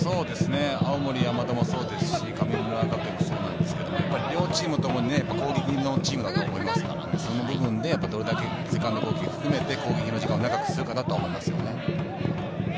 青森山田も、そうですし、神村学園もそうですけど両チームとも攻撃のチームだと思いますから、どれだけセカンドボール含めて、攻撃の時間を長くするかですね。